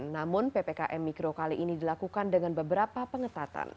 namun ppkm mikro kali ini dilakukan dengan beberapa pengetatan